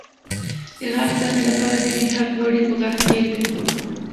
د غاښ درد لپاره د میخک غوړي په غاښ کیږدئ